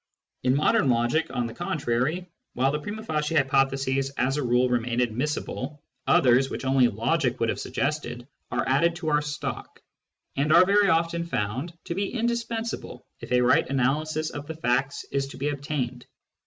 In modern logic, on the contrary,^ while ih^ primd facie hypotheses as a rule remain admis sible, others, which only logic would have suggested, are > added to our stock, and are very often found to be indispensable if a right analysis of the facts is to be obtained.